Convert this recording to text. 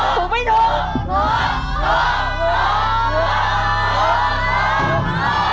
ถูกไม่ถูก